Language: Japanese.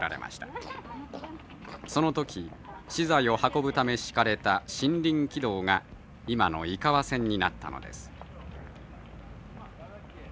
その時資材を運ぶため敷かれた森林軌道が今の井川線になったのです。